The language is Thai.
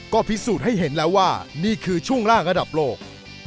ก็พิสูจน์ให้เห็นแล้วว่านี่คือช่วงล่างระดับโลก